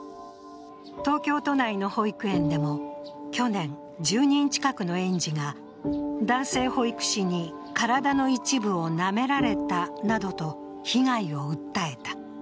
東京都内の保育園でも去年、１０人近くの園児が男性保育士に体の一部をなめられたなどと被害を訴えた。